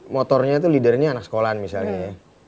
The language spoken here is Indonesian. motornya itu leadernya anak sekolahan misalnya ya